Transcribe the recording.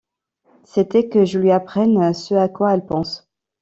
c'était que je lui apprenne ce à quoi elle pense.